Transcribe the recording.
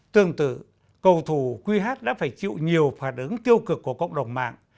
tương tự cầu thủ qh đã phải chịu nhiều phản ứng tiêu cực của cộng đồng mạng